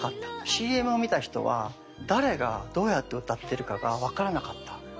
ＣＭを見た人は誰がどうやって歌ってるかが分からなかった。